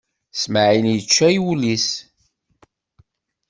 Smaɛil yečča ul-is.